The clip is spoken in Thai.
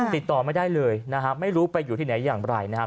ติดต่อไม่ได้เลยนะครับไม่รู้ไปอยู่ที่ไหนอย่างไรนะครับ